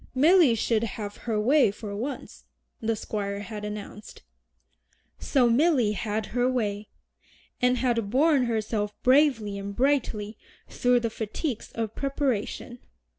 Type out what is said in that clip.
"Milly should have her way for once," the Squire had announced. So Milly had her way, and had borne herself bravely and brightly through the fatigues of preparation.